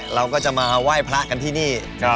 เราก็จะมาไหว้พระกันที่นี่